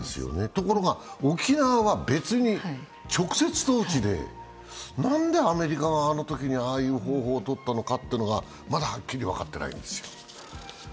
ところが、沖縄は別に直接統治でなんでアメリカがあのときにああいう方法を取ったのかというのがまだはっきり分かっていないんですよ。